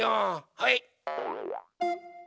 はい！